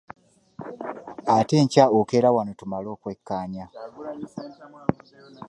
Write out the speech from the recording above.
Ate enkya okeera wano tumale okukwekkaanya.